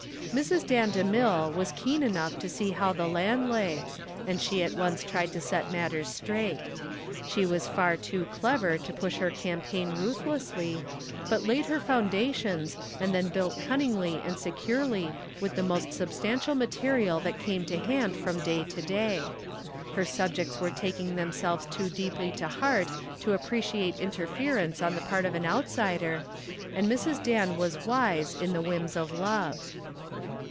Mrs. Dan DeMille was keen enough to see how the land lay, and she at once tried to set matters straight. She was far too clever to push her campaign ruthlessly, but laid her foundations and then built cunningly and securely with the most substantial material that came to hand from day to day. Her subjects were taking themselves too deeply to heart to appreciate interference on the part of an outsider, and Mrs. Dan was wise in the whims of love.